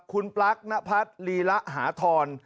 คุณปลั๊กนพัฒน์ลีระหาทร